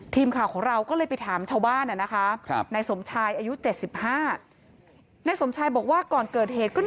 ทีมข่าวของเราก็เลยไปถามชาวบ้านนะคะนายสมชายอายุ๗๕นายสมชายบอกว่าก่อนเกิดเหตุก็